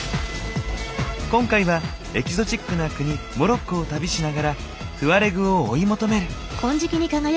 今回はエキゾチックな国モロッコを旅しながらトゥアレグを追い求める。